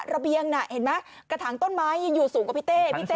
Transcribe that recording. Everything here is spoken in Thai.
ระเบียงน่ะเห็นไหมกระถางต้นไม้ยังอยู่สูงกว่าพี่เต้พี่เต้